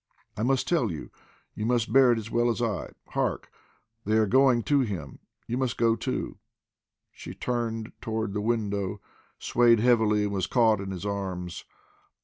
"I must tell you; you must bear it as well as I. Hark! they are going to him; you must go too!" She turned toward the window, swayed heavily, and was caught in his arms.